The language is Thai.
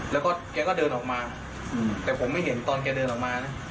แล้วก็แกก็เดินออกมาแต่ผมไม่เห็นตอนแกเดินออกมานะ